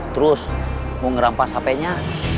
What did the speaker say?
terus mau ngerampas hpnya